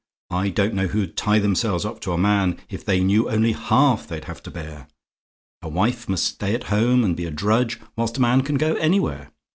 I don't know who'd tie themselves up to a man, if they knew only half they'd have to bear. A wife must stay at home, and be a drudge, whilst a man can go anywhere.